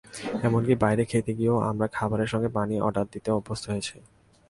এমনকি বাইরে খেতে গিয়েও আমরা খাবারের সঙ্গে পানি অর্ডার দিতে অভ্যস্ত হয়েছি।